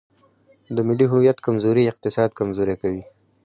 د ملي هویت کمزوري اقتصاد کمزوری کوي.